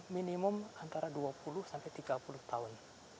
minimum antara dua puluh sampai tiga puluh tahun